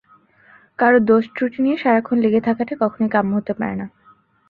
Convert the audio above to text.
কারও দোষত্রুটি নিয়ে সারাক্ষণ লেগে থাকাটা কখনোই কাম্য হতে পারে না।